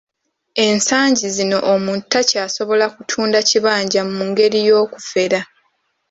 Ensangi zino omuntu takyasobola kutunda kibanja mu ngeri y'okufera.